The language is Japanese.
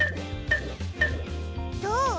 どう？